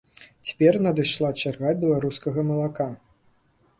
Цяпер надышла чарга беларускага малака.